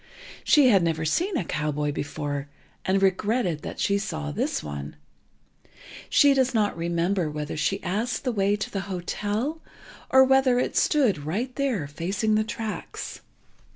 She had never seen a cowboy before, and regretted that she saw this one. She does not remember whether she asked the way to the hotel, or whether it stood right there, facing the tracks.